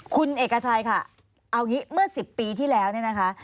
คุณเอกชัยค่ะเอางี้เมื่อ๑๐ปีที่แล้วเนี่ยนะคะ